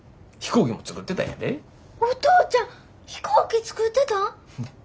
お父ちゃん飛行機作ってたん！？